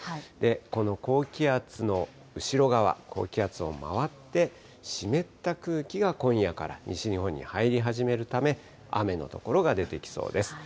この高気圧の後ろ側、高気圧を回って、湿った空気が今夜から西日本に入り始めるため、雨の所が出てきそうです。